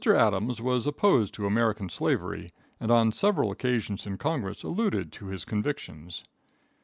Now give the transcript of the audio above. Adams was opposed to American slavery, and on several occasions in Congress alluded to his convictions.